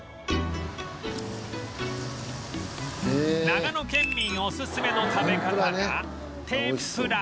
長野県民おすすめの食べ方が天ぷら